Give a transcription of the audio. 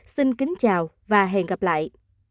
xin kính chào và hẹn gặp lại